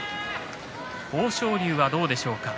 豊昇龍はどうでしょうか。